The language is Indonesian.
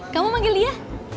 kamu panggil dia